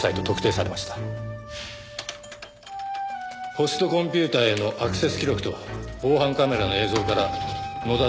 ホストコンピューターへのアクセス記録と防犯カメラの映像から野田だと割れたんです。